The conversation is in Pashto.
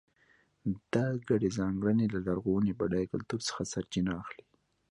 دا ګډې ځانګړنې له لرغوني بډای کلتور څخه سرچینه اخلي.